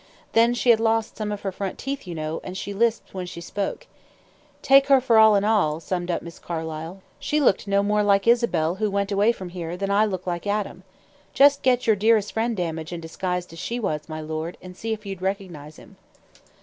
Then she had lost some of her front teeth, you know, and she lisped when she spoke. Take her for all in all," summed up Miss Carlyle, "she looked no more like Isabel who went away from here than I look like Adam. Just get your dearest friend damaged and disguised as she was, my lord, and see if you'd recognize him."